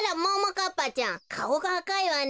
かっぱちゃんかおがあかいわね。